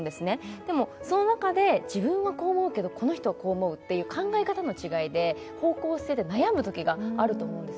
でもその中で、自分はこう思うけどこの人はこう思うっていう考え方の違い、方向性で悩むときがあると思うんです。